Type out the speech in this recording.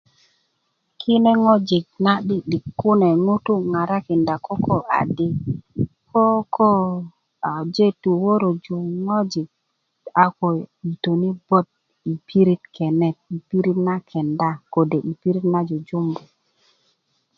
kine ŋwajik ŋutu ŋarakina koko adi ko koko aje tuworoju ŋwajik a ko yitojini botbi pirit kenet kode i pirit na kenda kode i pirit na jujumbu